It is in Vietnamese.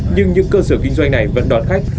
nhưng những cơ sở kinh doanh này vẫn đón khách